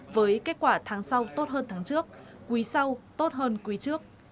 với kết quả tháng sau tốt hơn tháng trước quý sau tốt hơn quý trước